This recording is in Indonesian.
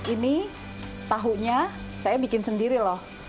ini tahunya saya bikin sendiri loh